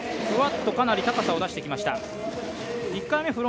ふわっとかなり高さを出してきましたね。